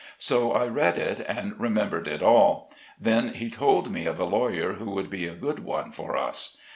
So I read it, and remembered it all ; then he told me of a lawyer who would be a good one for us.